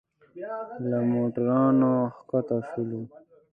له موټرانو ښکته شولو.